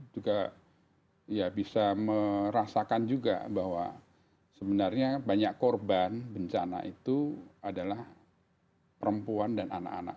juga ya bisa merasakan juga bahwa sebenarnya banyak korban bencana itu adalah perempuan dan anak anak